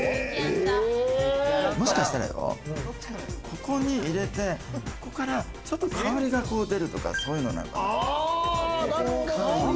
もしかしたらよ、ここに入れてここからちょっと香りがこう出るとか、そういうのかも。